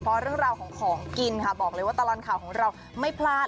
เพราะเรื่องราวของของกินค่ะบอกเลยว่าตลอดข่าวของเราไม่พลาด